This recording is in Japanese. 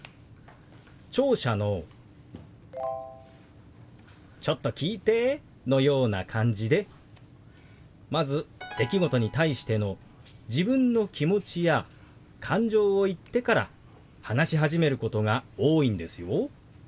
聴者の「ちょっと聞いて」のような感じでまず出来事に対しての自分の気持ちや感情を言ってから話し始めることが多いんですよ。